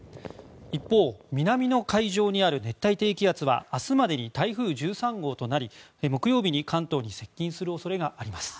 一方、南の海上にある熱帯低気圧は明日までに台風１３号となり木曜日に関東に接近する恐れがあります。